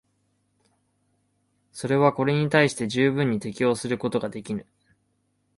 それはこれに対して十分に適応することができぬ。